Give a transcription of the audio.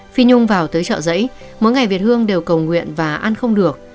phi nhung vào tới trợ dậy mỗi ngày việt hương đều cầu nguyện và ăn không được